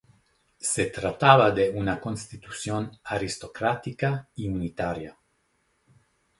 Se trataba de una constitución aristocrática y unitaria.